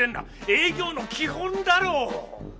営業の基本だろ！